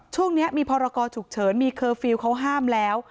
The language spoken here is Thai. ช่วงนี้มีพรกรฉุกเฉินมีเคอร์ฟิลล์เขาห้ามแล้ว